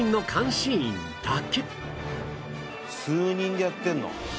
数人でやってるの？